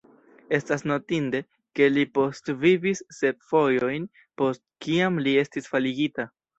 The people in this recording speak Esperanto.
Estas notinde, ke li postvivis sep fojojn post kiam li estis faligita.